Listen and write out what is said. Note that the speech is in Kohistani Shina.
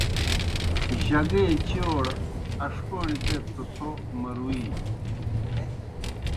جگے چِیؤڑ اݜکَوݨیْ دیت تو څھو مرُویی۔